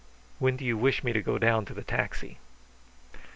"When do you wish me to go down to the taxi?"